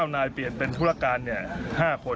๑๙นายเปลี่ยนเป็นธุรการเนี่ย๕คน